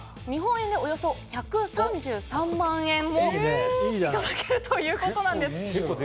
日本円でおよそ１３３万円いただけるということです。